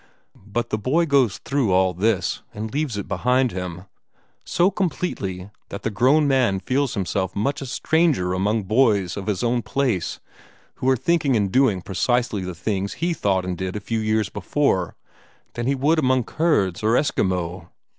But the boy goes through all this, and leaves it behind him so completely that the grown man feels himself more a stranger among boys of his own place who are thinking and doing precisely the things he thought and did a few years before, than he would among Kurds or Esquimaux.